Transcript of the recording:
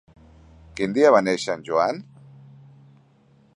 Quin dia va néixer en Joan?